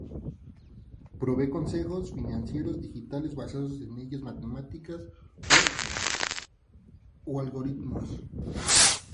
Proveen consejos financieros digitales basados en leyes matemáticas o algoritmos.